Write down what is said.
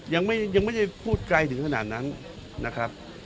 ยังไม่ได้พูดไกลถึงขนาดนั้นนะครับ